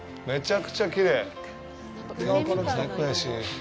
めちゃくちゃきれい！